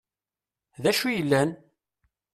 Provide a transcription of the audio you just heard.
D acu i yellan?